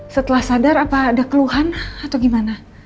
setelah sadar apa ada keluhan atau gimana